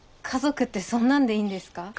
家族ってそんなんでいいんですか？